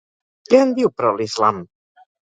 Què en diu, però, l'islam?